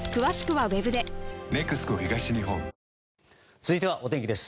続いてはお天気です。